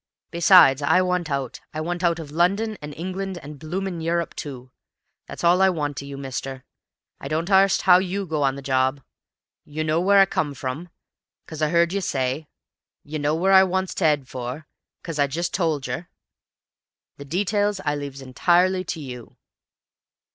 Besides, I want out. I want out of London, an' England, an' bloomin' Europe too. That's all I want of you, mister. I don't arst how YOU go on the job. You know w'ere I come from, 'cos I 'eard you say; you know w'ere I want to 'ead for, 'cos I've just told yer; the details I leaves entirely to you."